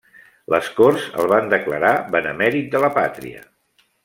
Les corts el van declarar benemèrit de la pàtria.